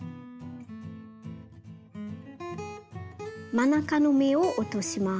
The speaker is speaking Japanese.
真ん中の目を落とします。